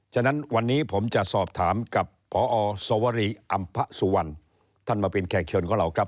ฉะนั้นวันนี้ผมจะสอบถามกับพอสวรีอำพสุวรรณท่านมาเป็นแขกเชิญของเราครับ